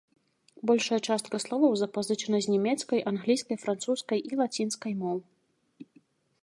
Большая частка словаў запазычана з нямецкай, англійскай, французскай і лацінскай моў.